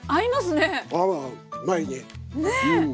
ねえ！